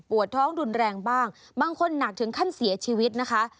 ท้องรุนแรงบ้างบางคนหนักถึงขั้นเสียชีวิตนะคะ